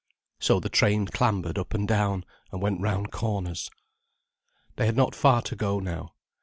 So the train clambered up and down, and went round corners. They had not far to go now.